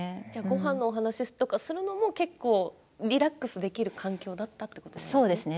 ごはんのお話とかするのも結構リラックスできる環境だったということですね。